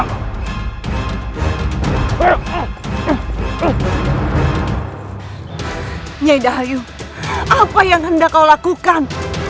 nyai dahayu apa yang hendak kau lakukan